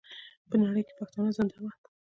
په نړۍ کې پښتانه زنده باد.